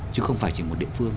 chứ không phải chỉ một địa phương